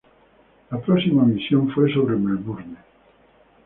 La próxima misión fue sobre Melbourne.